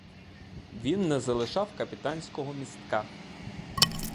Він не залишав капітанського містка.